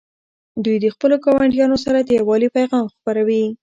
دوی د خپلو ګاونډیانو سره د یووالي پیغام خپروي.